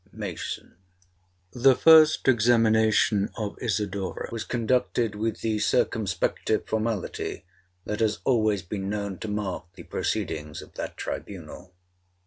MASON 'The first examination of Isidora was conducted with the circumspective formality that has always been known to mark the proceedings of that tribunal.